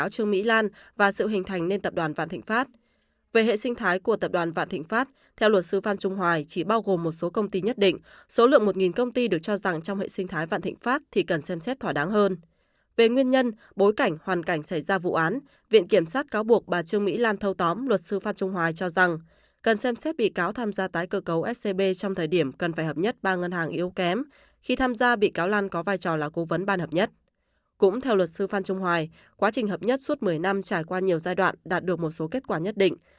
cũng theo luật sư phan trung hoài quá trình hợp nhất suốt một mươi năm trải qua nhiều giai đoạn đạt được một số kết quả nhất định